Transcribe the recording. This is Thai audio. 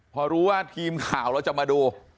พอรู้ว่าทีมข่าวเราจะมาดู